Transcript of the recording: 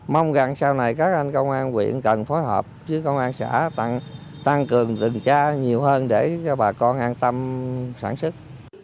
mong rằng sau này các anh công an quyện cần phối hợp với công an xã tăng cường rừng tra nhiều hơn để cho bà con an tâm sản xuất